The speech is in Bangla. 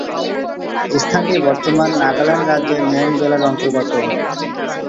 স্থানটি বর্তমান নাগাল্যান্ড রাজ্যের মোন জেলার অন্তর্গত।